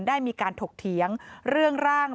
ได้มีการถกเถียงเรื่องร่าง